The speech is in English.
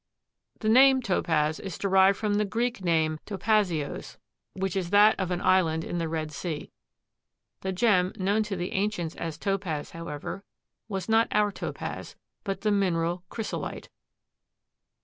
The name Topaz is derived from the Greek name topazios, which is that of an island in the Red Sea. The gem known to the ancients as topaz, however, was not our Topaz, but the mineral chrysolite.